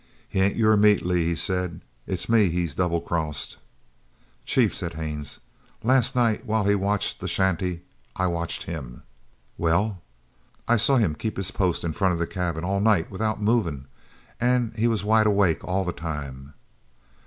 "He ain't your meat, Lee," he said. "It's me he's double crossed." "Chief," said Haines, "last night while he watched the shanty, I watched him!" "Well?" "I saw him keep his post in front of the cabin all night without moving. And he was wide awake all the time."